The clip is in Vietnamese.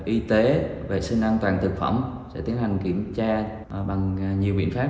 y tế vệ sinh an toàn thực phẩm sẽ tiến hành kiểm tra bằng nhiều biện pháp